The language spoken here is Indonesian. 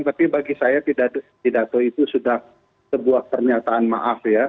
tapi bagi saya pidato itu sudah sebuah pernyataan maaf ya